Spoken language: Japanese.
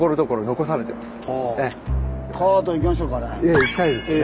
ええ行きたいですよね。